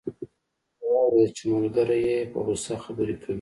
هغه واوریدل چې ملګری یې په غوسه خبرې کوي